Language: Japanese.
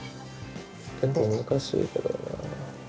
結構難しいけどな。